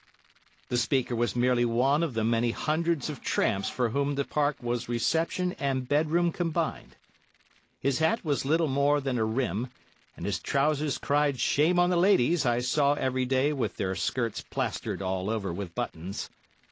The speaker was merely one of the many hundreds of tramps for whom the Park was reception and bedroom combined. His hat was little more than a rim, and his trousers cried shame on the ladies I saw every day with their skirts plastered all over with buttons.